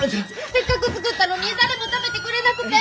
せっかく作ったのに誰も食べてくれなくて！